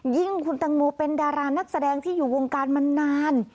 ยิ่งคุณตังโมเป็นดารานักแสดงที่อยู่วงการมานาน